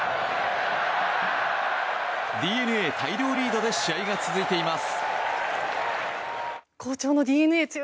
ＤｅＮＡ大量リードで試合が続いています。